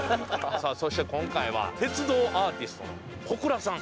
さあそして今回は鉄道アーティストの小倉さん